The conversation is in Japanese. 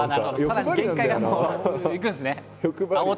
さらに限界がもういくんですね。